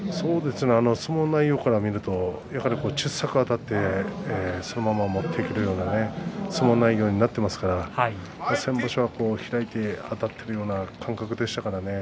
相撲内容から見ると小さくあたってそのまま持っていけるような相撲内容になっていますから先場所は開いてあたっているような感覚でしたからね